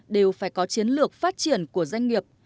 đều phải có chiến lược phát triển của doanh nghiệp